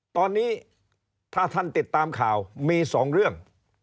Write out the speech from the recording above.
ตอนนี้ถ้าท่านติดตามข่าวมี๒เรื่อง